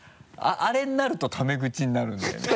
あれになるとタメ口になるんだよね。